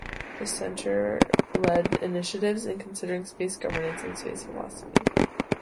The centre led initiatives in considering space governance and space philosophy.